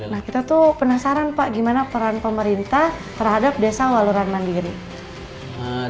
nah kita tuh penasaran pak gimana peran pemerintah terhadap desa waluran mandiri